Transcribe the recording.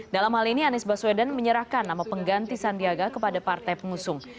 dalam hal ini anies baswedan menyerahkan nama pengganti sandiaga kepada partai pengusung